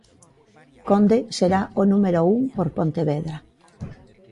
Conde será o número un por Pontevedra.